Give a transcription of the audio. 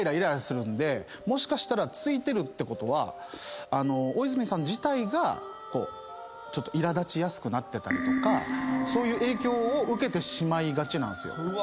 もしかしたら憑いてるってことは大泉さん自体がイラ立ちやすくなってたりとかそういう影響を受けてしまいがちなんすよ。